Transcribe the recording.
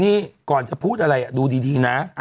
นี่ก่อนจะพูดอะไรดูดีนะ